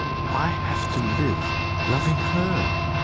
I have to live loving her.